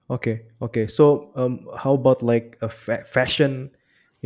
oke oke bagaimana dengan fashion